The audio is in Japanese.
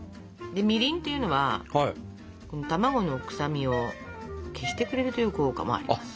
みりんっていうのは卵の臭みを消してくれるという効果もあります。